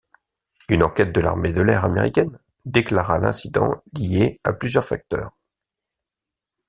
Une enquête de l'armée de l'air américaine déclara l'incident lié à plusieurs facteurs.